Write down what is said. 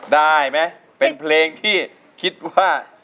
ได้ไหมเป็นเพลงที่คิดว่า